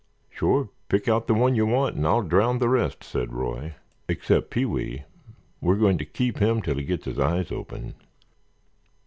"Sure, pick out the one you want and I'll drown the rest," said Roy; "except Pee wee, we're going to keep him till he gets his eyes open."